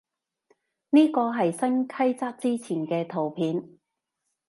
呢個係新規則之前嘅圖片